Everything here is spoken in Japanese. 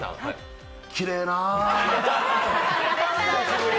きれいな。